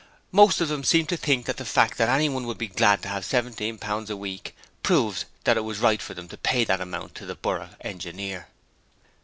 Most of them seemed to think the fact that anyone would be glad to have seventeen pounds a week, proved that it was right for them to pay that amount to the Borough Engineer!